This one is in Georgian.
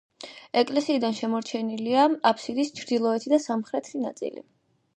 ეკლესიიდან შემორჩენილია აბსიდის ჩრდილოეთი და სამხრეთი ნაწილი.